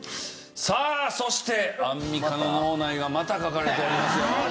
さあそしてアンミカの脳内がまた書かれておりますよ。